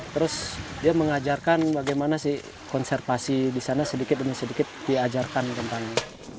terus dia mengajarkan bagaimana sih konservasi di sana sedikit demi sedikit diajarkan gempanya